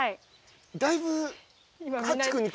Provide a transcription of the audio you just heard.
だいぶ。